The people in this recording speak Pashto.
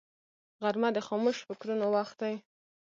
غرمه د خاموش فکرونو وخت دی